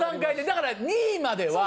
だから２位までは。